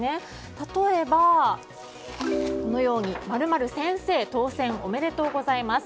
例えば、○○先生当選おめでとうございます。